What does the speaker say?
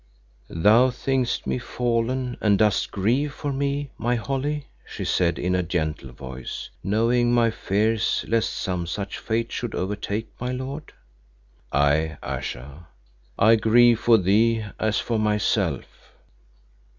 "Thou thinkest me fallen and dost grieve for me, my Holly," she said in a gentle voice, "knowing my fears lest some such fate should overtake my lord." "Ay, Ayesha, I grieve for thee as for myself."